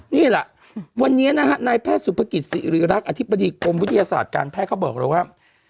นี่แหละวันนี้นะฮะนายแพทย์สุภกิจศิริรักษ์อธิบดีกรมวิทยาศาสตร์การแพทย์เขาบอกแล้วว่า